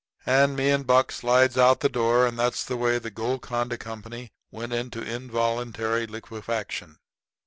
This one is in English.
And me and Buck slides out the door; and that's the way the Golconda Company went into involuntary liquefaction.